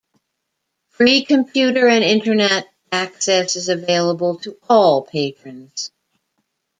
Free computer and internet access is available to all patrons.